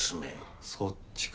そっちか。